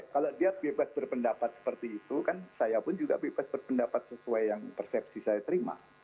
kalau dia bebas berpendapat seperti itu kan saya pun juga bebas berpendapat sesuai yang persepsi saya terima